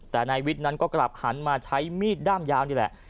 แต่นายวิทย์นั้นก็กลับหันมาใช้มีดด้ามยาวนี่แหละ